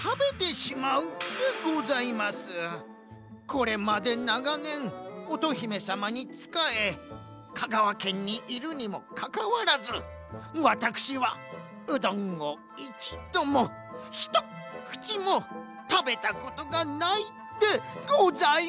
これまでながねん乙姫さまにつかえ香川県にいるにもかかわらずワタクシはうどんをいちどもひとっくちもたべたことがないでございます！